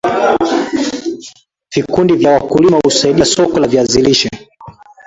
Vikundi vya wakulima husaidia Soko la viazi lishe